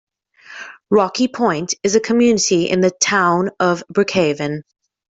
Rocky Point is a community in the Town of Brookhaven.